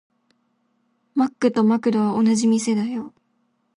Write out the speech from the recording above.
マックとマクドは同じ店だよ。